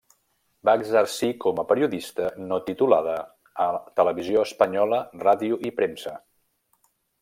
Va exercir com a periodista no titulada a Televisió Espanyola, ràdio i premsa.